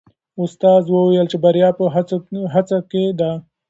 استاد وویل چې بریا په هڅه کې ده.